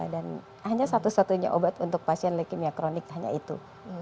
dan hanya satu satunya obat untuk pasien leukemia kronis hanya itu